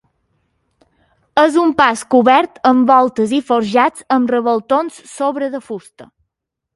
És un pas cobert amb voltes i forjats amb revoltons sobre de fusta.